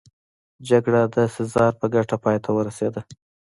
جګړه د سزار په ګټه پای ته ورسېده